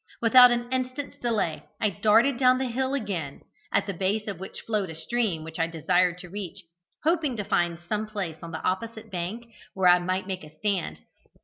Without an instant's delay, I darted down the hill again, at the base of which flowed a stream which I desired to reach, hoping to find some place on the opposite bank where I might make a stand.